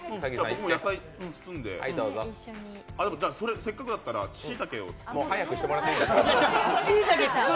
野菜包んで、せっかくだったらしいたけを早くしてもらっていいですか。